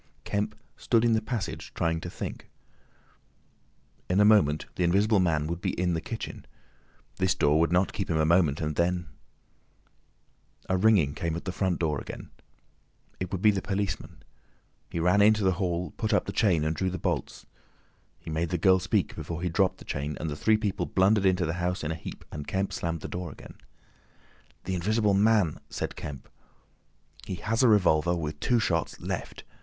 Kemp stood in the passage trying to think. In a moment the Invisible Man would be in the kitchen. This door would not keep him a moment, and then— A ringing came at the front door again. It would be the policemen. He ran into the hall, put up the chain, and drew the bolts. He made the girl speak before he dropped the chain, and the three people blundered into the house in a heap, and Kemp slammed the door again. "The Invisible Man!" said Kemp. "He has a revolver, with two shots—left.